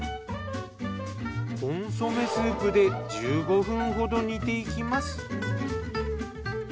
コンソメスープで１５分ほど煮ていきます。